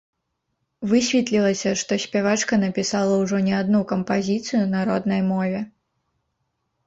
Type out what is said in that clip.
Высветлілася, што спявачка напісала ўжо не адну кампазіцыю на роднай мове.